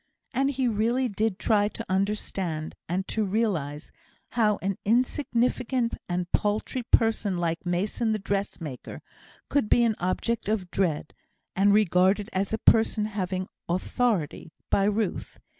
And he really did try to understand, and to realise, how an insignificant and paltry person like Mason the dressmaker could be an object of dread, and regarded as a person having authority, by Ruth.